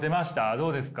どうですか？